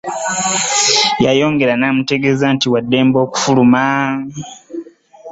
Yayongera n'amutegeeza nti waddembe okufuluma .